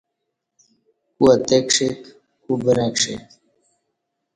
کو اتکݜیک کو برں شیک